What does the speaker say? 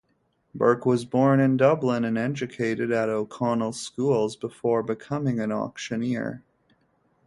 Burke was born in Dublin and educated at O'Connell Schools before becoming an auctioneer.